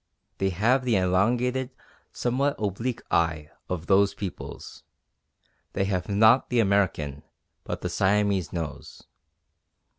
They have the elongated, somewhat oblique eye of those peoples; they have not the American, but the Siamese nose.